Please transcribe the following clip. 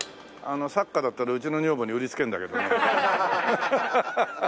サッカーだったらうちの女房に売りつけるんだけどね。